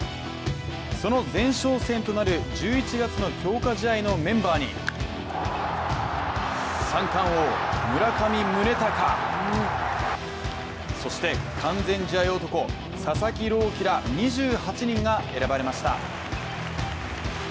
その前哨戦となる１１月の強化試合のメンバーにそして、完全試合男・佐々木朗希ら２８人が選ばれました。